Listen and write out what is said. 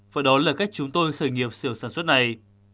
và đó là cách chúng tôi khởi nghiệp sưởng sản xuất này